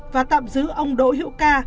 và tạm giữ ông đỗ hiệu ca